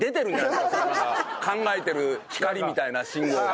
考えてる光みたいな信号が。